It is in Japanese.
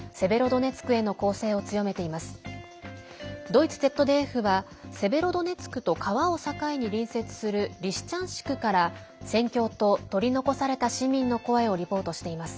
ドイツＺＤＦはセベロドネツクと川を境に隣接するリシチャンシクから戦況と取り残された市民の声をリポートしています。